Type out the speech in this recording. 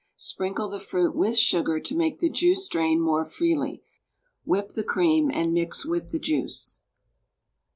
Sprinkle the fruit with sugar to make the juice drain more freely; whip the cream and mix with the juice.